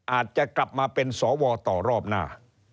อาจจะกลับมาเป็นสวต่อรอบหน้า